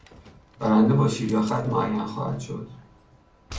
برنده با شیر یا خط معین خواهد شد.